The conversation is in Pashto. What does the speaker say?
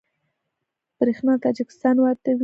بریښنا له تاجکستان واردوي